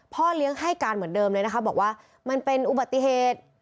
พ่อเลี้ยงให้การเหมือนเดิมเลยนะคะบอกว่ามันเป็นอุบัติเหตุ